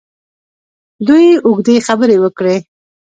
دوی اوږدې خبرې وکړې.